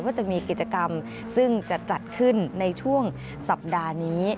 จะมีกิจกรรมซึ่งจะจัดขึ้นในช่วงสัปดาห์นี้